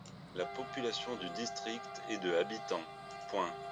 La population du district est de habitants .